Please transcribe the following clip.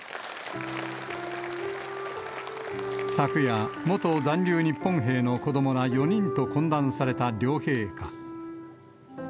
昨夜、元残留日本兵の子どもら４人と懇談された両陛下。